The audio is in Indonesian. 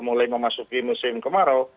mulai memasuki musim kemarau